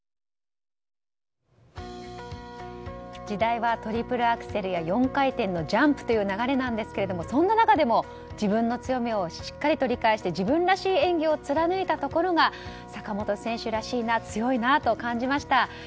時代はトリプルアクセルや４回転のジャンプという流れなんですけどそんな中でも、自分の強みをしっかりと理解して自分らしい演技を貫いたところが坂本選手らしいな強いなと感じました。